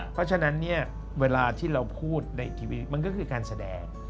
เพราะฉะนั้นเนี่ยเวลาที่เราพูดในทีวีมันก็คือการแสดง